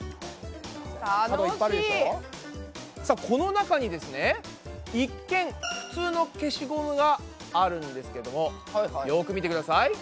この中にですね一見普通の消しゴムがあるんですけどもよく見てください。